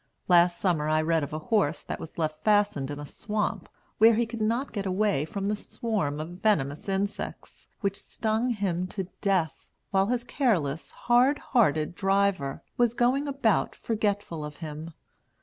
Last summer I read of a horse that was left fastened in a swamp, where he could not get away from the swarm of venomous insects, which stung him to death, while his careless, hard hearted driver was going about forgetful of him.